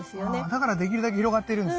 だからできるだけ広がってるんですね。